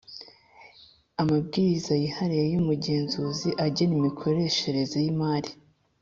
Amabwiriza yihariye y’ umugenzuzi agena imikoreshereze y’Imari